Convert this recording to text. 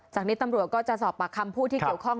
จากนี้ตำรวจก็จะสอบปากคำผู้ที่เกี่ยวข้อง